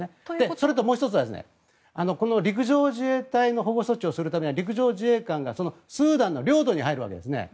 それと、もう１つはこの陸上自衛隊の保護措置をするためには陸上自衛官がスーダンの領土に入るわけですね。